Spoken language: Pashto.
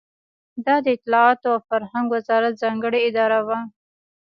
دا د اطلاعاتو او فرهنګ وزارت ځانګړې اداره وه.